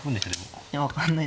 いや分かんないです。